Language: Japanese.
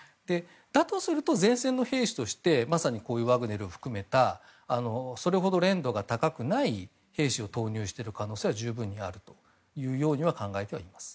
だとすると前線の兵士としてまさにワグネルを含めたそれほど練度が高くない兵士を投入している可能性は十分にあるというように考えています。